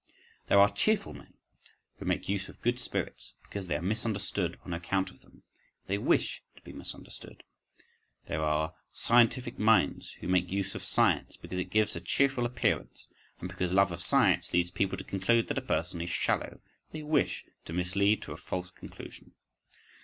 There are "cheerful men" who make use of good spirits, because they are misunderstood on account of them—they wish to be misunderstood. There are "scientific minds" who make use of science, because it gives a cheerful appearance, and because love of science leads people to conclude that a person is shallow—they wish to mislead to a false conclusion.